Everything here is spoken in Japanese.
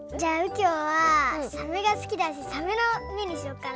きょうはサメがすきだしサメのめにしようかな。